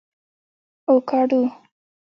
🥑 اوکاډو